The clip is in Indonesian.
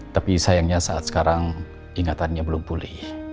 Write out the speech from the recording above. tapi sayangnya saat sekarang ingatannya belum pulih